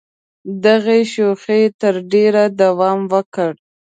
دغې شوخۍ تر ډېره دوام وکړ.